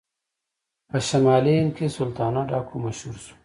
په شمالي هند کې سلطانه ډاکو مشهور شو.